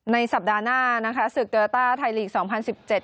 ในสัปดาห์หน้านะคะศึกเตอร์ราต้าไทยลีกส์๒๐๑๗